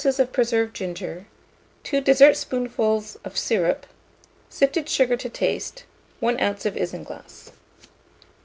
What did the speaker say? of preserved ginger, 2 dessertspoonfuls of syrup, sifted sugar to taste, 1 oz. of isinglass.